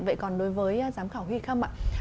vậy còn đối với giám khảo huy khâm ạ